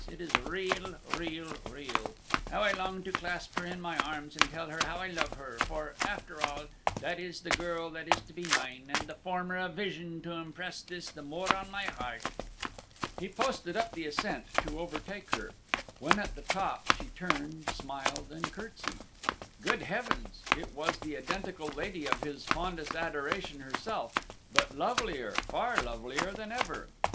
It is real! real! real! How I long to clasp her in my arms, and tell her how I love her; for, after all, that is the girl that is to be mine, and the former a vision to impress this the more on my heart." He posted up the ascent to overtake her. When at the top she turned, smiled, and curtsied. Good heavens! it was the identical lady of his fondest adoration herself, but lovelier, far lovelier, than ever.